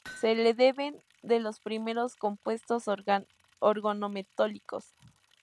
Se le deben de los primeros compuestos organometálicos.